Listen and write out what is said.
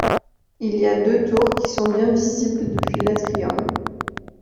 Il y a deux tours qui sont bien visibles depuis l'atrium.